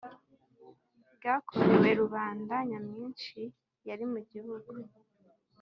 bwakorewe rubanda nyamwinshi yari mu gihugu.